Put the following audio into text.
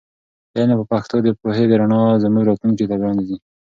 علم په پښتو د پوهې د رڼا زموږ راتلونکي ته پرانیزي.